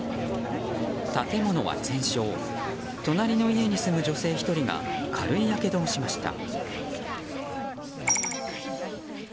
建物は全焼隣の家に住む女性１人が軽いやけどをしました。